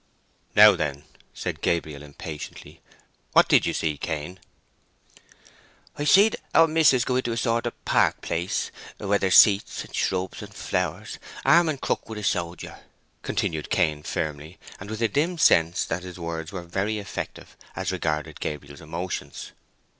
"Now then," said Gabriel, impatiently, "what did you see, Cain?" "I seed our mis'ess go into a sort of a park place, where there's seats, and shrubs and flowers, arm in crook with a sojer," continued Cainy, firmly, and with a dim sense that his words were very effective as regarded Gabriel's emotions.